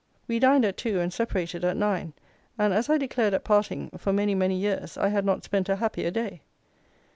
We dined at two, and separated at nine; and, as I declared at parting, for many, many years, I had not spent a happier day.